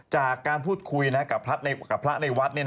จากการพูดคุยกับพระในวัด